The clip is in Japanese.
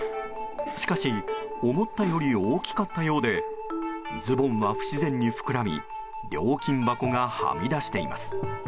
しかし、思ったより大きかったようでズボンが不自然に膨らみ料金箱が、はみ出しています。